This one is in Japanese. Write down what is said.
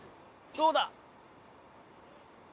どうだ？